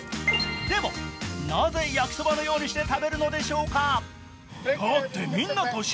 でも、なぜ焼きそばのようにして食べるのでしょうか？